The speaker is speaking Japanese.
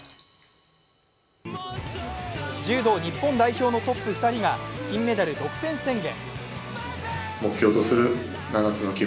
柔道日本代表のトップ２人が金メダル独占宣言！